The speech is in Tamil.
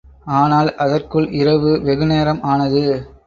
ஆனால், அதற்குள் இரவு வெகுநேரம் ஆனது.